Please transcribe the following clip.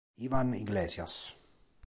Iván Iglesias